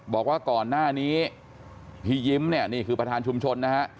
บอกว่าก่อนหน้านี้พี่ยิ้มเนี่ยนี่คือประธานชุมชนนะฮะ